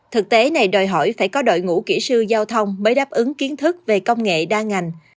thực tế này đòi hỏi phải có đội ngũ kỹ sư giao thông mới đáp ứng kiến thức về công nghệ đa ngành